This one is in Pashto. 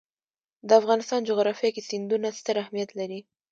د افغانستان جغرافیه کې سیندونه ستر اهمیت لري.